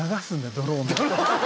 ドローンの」